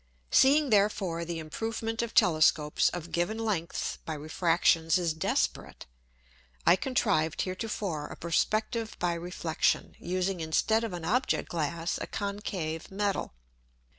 Seeing therefore the Improvement of Telescopes of given lengths by Refractions is desperate; I contrived heretofore a Perspective by Reflexion, using instead of an Object glass a concave Metal.